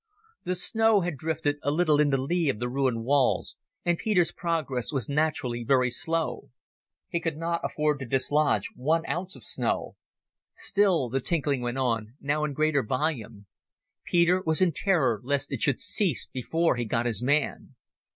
The snow had drifted a little in the lee of the ruined walls, and Peter's progress was naturally very slow. He could not afford to dislodge one ounce of snow. Still the tinkling went on, now in greater volume. Peter was in terror lest it should cease before he got his man.